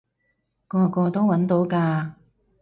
個個都搵到㗎